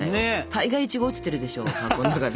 大概イチゴ落ちてるでしょ箱の中で。